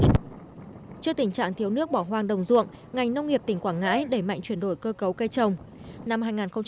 trước tình trạng thiếu nước bỏ hoang đồng ruộng ngành nông nghiệp tỉnh quảng ngãi đẩy mạnh chuyển đổi cơ cấu cây trồng